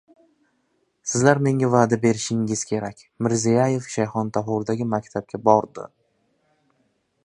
Sizlar menga va’da berishingiz kerak – Mirziyoyev Shayxontohurdagi maktabga bordi